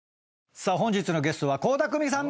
さあ本日のゲストは倖田來未さん